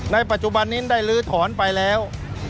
ในปัจจุบันนี้ได้ลื้อถอนไปแล้ว